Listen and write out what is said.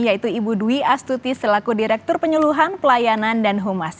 yaitu ibu dwi astuti selaku direktur penyuluhan pelayanan dan humas